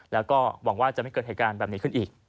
แล้วก็หวังว่าจะไม่เกิดเหตุการณ์แบบนี้ขึ้นอีก